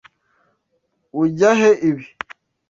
Ujya he ibi?